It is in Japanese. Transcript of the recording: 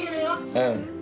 うん。